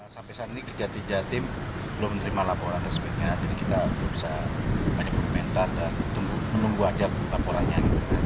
sampai saat ini kejati jatim belum menerima laporan resminya jadi kita belum bisa banyak berkomentar dan menunggu aja laporannya